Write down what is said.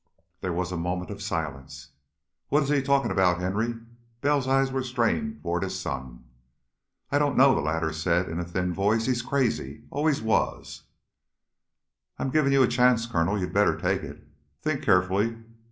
There was a moment of silence. "What is he talking about, Henry?" Bell's eyes were strained toward his son. "I don't know," the latter said, in a thin voice. "He's crazy always was." "I'm giving you a chance, Colonel. You'd better take it. Think carefully."